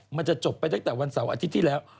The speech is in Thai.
มันจะจบไปตั้งแต่วันเสาร์อาทิตย์ที่แล้ว